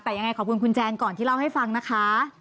แต่ยังไงขอบคุณคุณแจนก่อนที่เล่าให้ฟังนะคะ